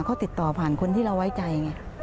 เขาติดต่อผ่านคนที่เราไว้ใจไง